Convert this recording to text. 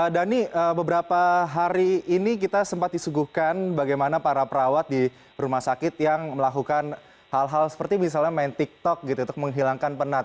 dhani beberapa hari ini kita sempat disuguhkan bagaimana para perawat di rumah sakit yang melakukan hal hal seperti misalnya main tiktok gitu untuk menghilangkan penat